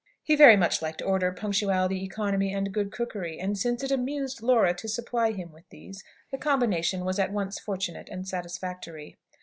He very much liked order, punctuality, economy, and good cookery; and since it "amused" Laura to supply him with these, the combination was at once fortunate and satisfactory.